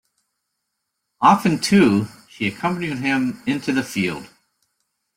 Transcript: Often, too, she accompanied him into the field.